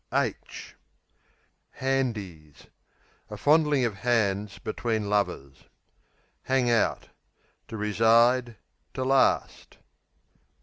Hankies A fondling of hands between lovers. Hang out To reside; to last.